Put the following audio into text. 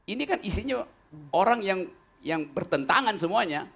ini kan isinya orang yang bertentangan semuanya